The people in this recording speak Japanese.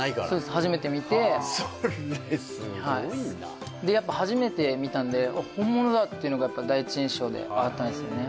初めて見てそれすごいなでやっぱ初めて見たんであっ本物だっていうのが第一印象であったんですね